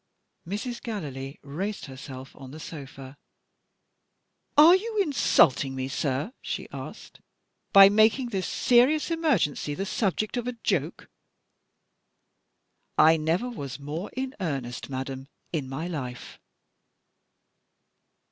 Mrs. Gallilee raised herself on the sofa. "Are you insulting me, sir," she asked, "by making this serious emergency the subject of a joke?" "I never was more in earnest, madam, in my life."